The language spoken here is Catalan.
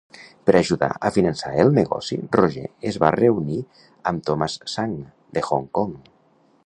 Per ajudar a finançar el negoci, Roger es va reunir amb Tomas Sang de Hong Kong.